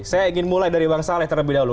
saya ingin mulai dari bang saleh terlebih dahulu